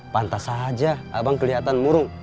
pantas aja abang keliatan murung